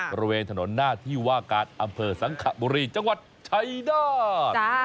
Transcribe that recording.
บริเวณถนนหน้าที่ว่าการอำเภอสังขบุรีจังหวัดชัยนาธ